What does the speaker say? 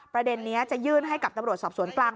ประเด็นนี้จะยื่นให้กับตำรวจสอบสวนกลาง